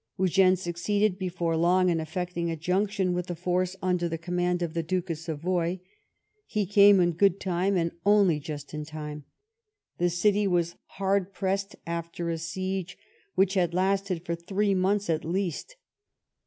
Eugene succeeded before long in effecting a junction with the force under the command of the Duke of Savoy. He came in good time, and only just in time. The city was hard pressed, after a siege which had lasted for three months at least.